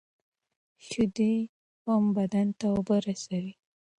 شیدې هم بدن ته اوبه رسوي.